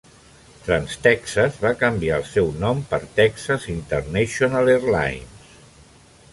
Trans-Texas va canviar el seu nom per Texas International Airlines.